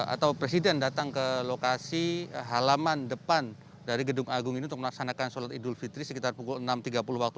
atau presiden datang ke lokasi halaman depan dari gedung agung ini untuk melaksanakan sholat idul fitri sekitar pukul enam tiga puluh waktu